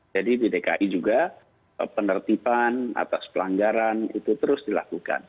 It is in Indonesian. jadi di dki juga penertiban atas pelonggaran itu terus dilakukan